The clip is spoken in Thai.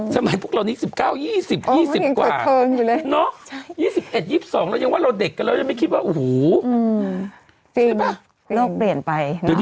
สมัยพวกเรานี้๑๙๒๐กว่า